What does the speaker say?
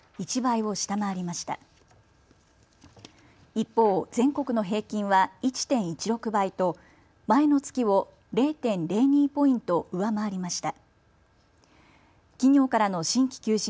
一方、全国の平均は１．１６倍と前の月を０．０２ポイント上回りました。